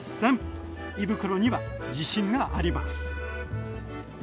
胃袋には自信があります。